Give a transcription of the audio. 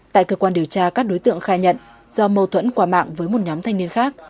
tại cơ quan điều tra các đối tượng khai nhận do mâu thuẫn qua mạng với một nhóm thanh niên khác